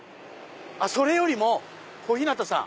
それよりも小日向さん。